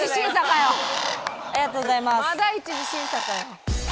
まだ１次審査かよ。